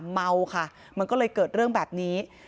เมาค่ะมันก็เลยเกิดเรื่องแบบนี้